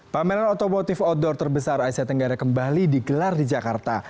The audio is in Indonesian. pameran otomotif outdoor terbesar asia tenggara kembali digelar di jakarta